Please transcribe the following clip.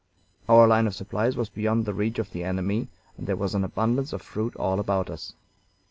Our line of supplies was beyond the reach of the enemy, and there was an abundance of fruit all about us.